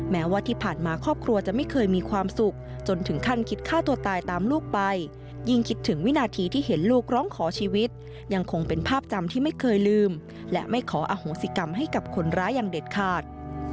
แม้ว่าที่ผ่านมาครอบครัวจะไม่เคยมีความสุขจนถึงขั้นคิดฆ่าตัวตายตามลูกไปยิ่งคิดถึงวินาทีที่เห็นลูกร้องขอชีวิตยังคงเป็นภาพจำที่ไม่เคยลืมและไม่ขออโหสิกรรมให้กับคนร้ายอย่างเด็ดขาด